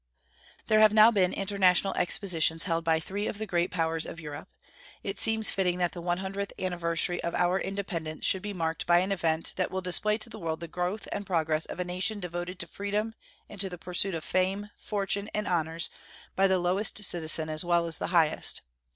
There have now been international expositions held by three of the great powers of Europe. It seems fitting that the one hundredth anniversary of our independence should be marked by an event that will display to the world the growth and progress of a nation devoted to freedom and to the pursuit of fame, fortune, and honors by the lowest citizen as well as the highest.